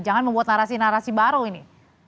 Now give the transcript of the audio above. jangan membuat narasi narasi baru ini